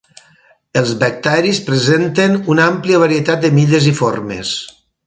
Els bacteris presenten una àmplia varietat de mides i formes.